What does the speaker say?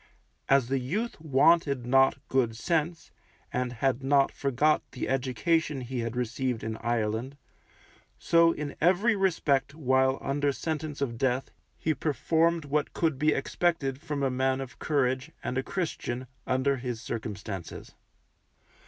As the youth wanted not good sense, and had not forgot the education he had received in Ireland, so in every respect while under sentence of death he performed what could be expected from a man of courage, and a Christian, under his circumstances.